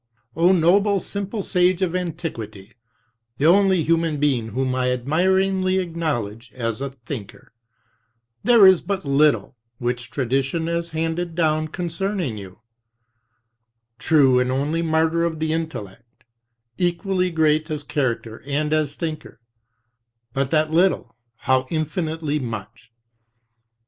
"O noble, simple sage of antiquity, the only human being whom I admiringly acknowledge as a thinker: there is but little which tradition has handed down concerning you, true and only martyr of the intellect, equally great as character and as thinker; but that little, how infinitely much!